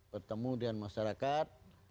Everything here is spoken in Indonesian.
pertemu dengan masyarakat